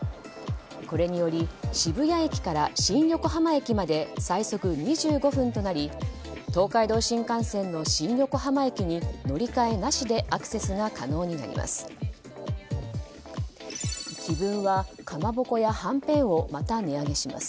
これにより渋谷駅から新横浜駅まで最速２５分となり東海道新幹線の新横浜駅に乗り換えなしでアクセスが可能になります。